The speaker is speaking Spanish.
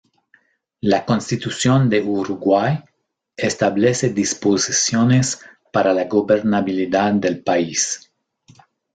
La Constitución de Uruguay establece disposiciones para la gobernabilidad del país.